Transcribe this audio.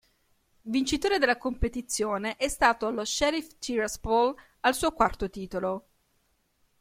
Vincitore della competizione è stato lo Sheriff Tiraspol, al suo quarto titolo.